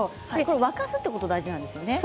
沸かすことが大事なんですね。